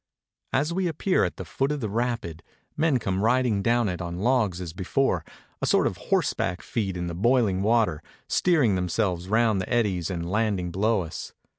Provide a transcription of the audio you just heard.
As we appear at the foot of the rapid, men come riding down it on logs as before, a sort of horseback feat in the boiHng water, steering themselves round the eddies and landing below us.